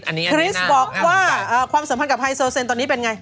คริสบอกว่าความสัมพันธ์กับไฮโซเซนตอนนี้เป็นไง